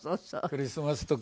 クリスマスとか。